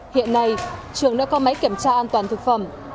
hiện nay trường đã có máy kiểm tra an toàn thực phẩm